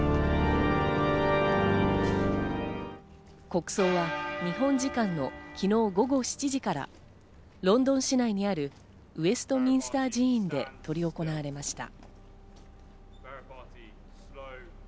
国葬は日本時間の昨日午後７時から、ロンドン市内にあるウェストミンスター寺院で執り行われました。